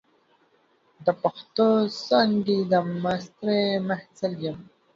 د پښتو څانګې د ماسترۍ محصل یم.